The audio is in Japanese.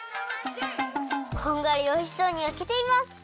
こんがりおいしそうにやけています。